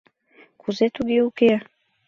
— Кузе туге уке?